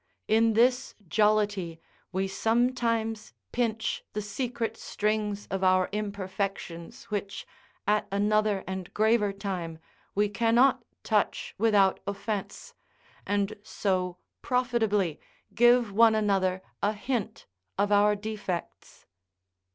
In this jollity, we sometimes pinch the secret strings of our imperfections which, at another and graver time, we cannot touch without offence, and so profitably give one another a hint of our defects.